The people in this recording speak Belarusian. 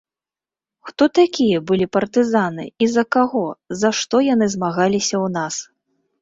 Хто такія былі партызаны і за каго, за што яны змагаліся ў нас?